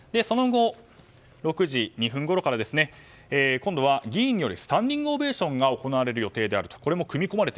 その後、６時２分ごろから今度は議員によるスタンディングオベーションが行われる予定であると。